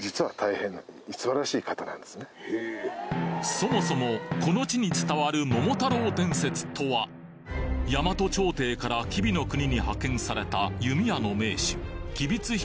そもそもこの地に伝わる桃太郎伝説とは大和朝廷から吉備の国に派遣された弓矢の名手吉備津彦